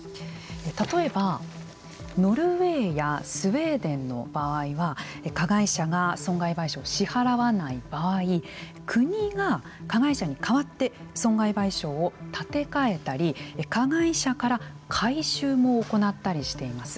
例えばノルウェーやスウェーデンの場合は加害者が損害賠償を支払わない場合国が加害者に代わって損害賠償を立て替えたり加害者から回収も行ったりしています。